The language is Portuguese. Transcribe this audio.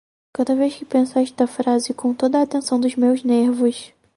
Cada vez que penso esta frase com toda a atenção dos meus nervos